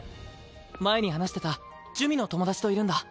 前に話してた珠魅の友達といるんだ。